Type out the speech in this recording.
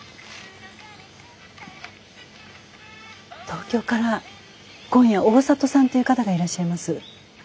東京から今夜大里さんという方がいらっしゃいます。